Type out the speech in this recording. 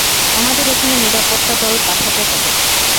আমাদের ওখানে নিরাপত্তা দল পাঠাতে হবে।